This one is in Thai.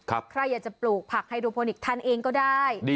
ใครอยากจะปลูกผักไฮโดโพนิกทานเองก็ได้